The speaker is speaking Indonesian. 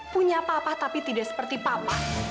punya apa apa tapi tidak seperti papa